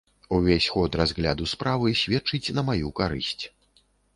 Увесь ход разгляду справы сведчыць на маю карысць.